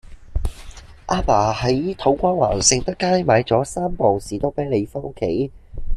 亞爸喺土瓜灣盛德街買左三磅士多啤梨返屋企